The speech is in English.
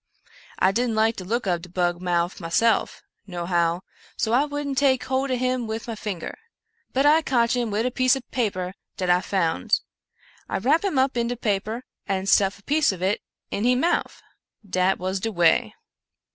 I didn't like de look ob de bug moufif, myself, nohow, so I wouldn't take hold ob him wid my finger, but I cotch him wid a piece ob paper dat I found. I rap him up in de paper and stuff a piece of it in he mouff — dat was de way."